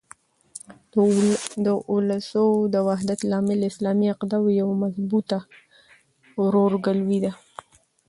د اولسو د وحدت لامل اسلامي عقیده او یوه مضبوطه ورورګلوي ده.